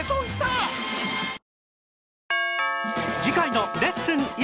次回の『レッスン！